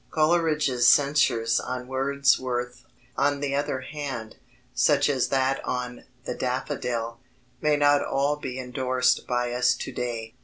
Coleridge's censures on Wordsworth, on the other hand, such as that on The Daffodil, may not all be endorsed by us to day.